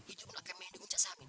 itu pun akan mendukung cak samin